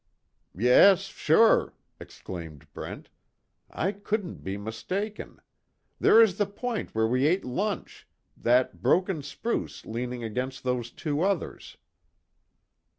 "Yes sure," exclaimed Brent, "I couldn't be mistaken. There is the point where we ate lunch that broken spruce leaning against those two others."